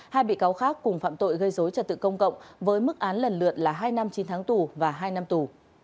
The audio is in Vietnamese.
hai bị cáo khác cùng phạm tội gây dối trật tự công cộng với mức án lần lượt là hai năm chín tháng tù và hai năm tù